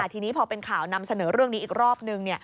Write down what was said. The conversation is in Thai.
ทีนี้พอเป็นข่าวนำเสนอเรื่องนี้อีกรอบนึง